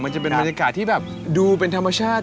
มันจะเป็นบรรยากาศที่แบบดูเป็นธรรมชาติ